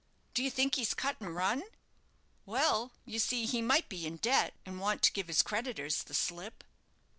"Do you think he's cut and run?" "Well, you see, he might be in debt, and want to give his creditors the slip."